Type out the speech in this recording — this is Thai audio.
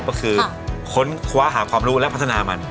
ก็คือค้นคว้าหาความรู้และพัฒนามัน